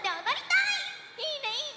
いいねいいね！